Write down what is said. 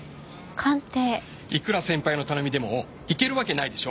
いくら先輩の頼みでも行けるわけないでしょ。